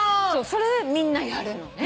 それをみんなやるのね。